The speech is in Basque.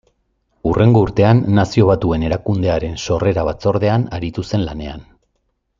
Hurrengo urtean, Nazio Batuen erakundearen sorrera-batzordean aritu zen lanean.